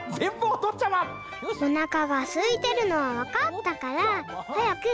・おなかがすいてるのはわかったからはやく。